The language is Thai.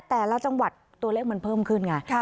แต่ละจังหวัดตัวเลขมันเพิ่มขึ้นไง